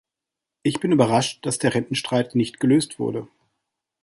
Ich bin überrascht, dass der Rentenstreit nicht gelöst wurde.